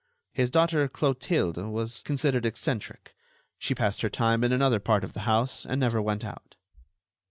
His daughter Clotilde was considered eccentric. She passed her time in another part of the house, and never went out.